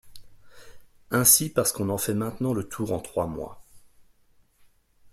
Ainsi parce qu’on en fait maintenant le tour en trois mois...